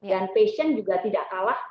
dan fashion juga tidak kalah